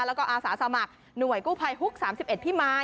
แล้วก็อาสาสมัครหน่วยกู้ภัยฮุก๓๑พิมาย